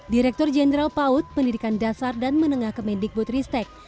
direktur jenderal paud pendidikan dasar dan menengah kemendikbud ristek